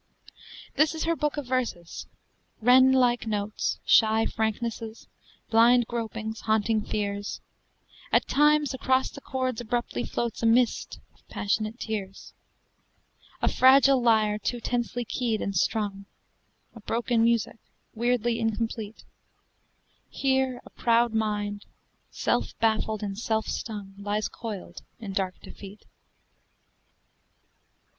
This is her Book of Verses wren like notes, Shy franknesses, blind gropings, haunting fears; At times across the chords abruptly floats A mist of passionate tears. A fragile lyre too tensely keyed and strung, A broken music, weirdly incomplete: Here a proud mind, self baffled and self stung, Lies coiled in dark defeat.